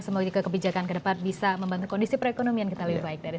semoga kebijakan ke depan bisa membantu kondisi perekonomian kita lebih baik dari